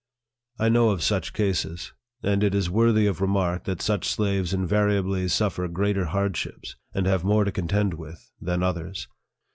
I know of such cases ; and it is worthy of remark that such slaves invariably suffer greater hardships, and have more to contend with, than others.